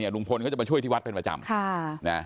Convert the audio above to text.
ลุงพลก็จะมาช่วยที่วัดเป็นประจำ